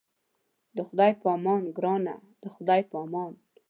د خدای په امان ګرانه د خدای په امان.